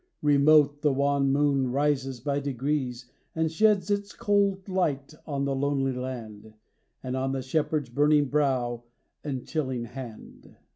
Remote the wan moon rises by degrees And sheds its cold light on the lonely land, And on the shepherd's burning brow and chilling hand.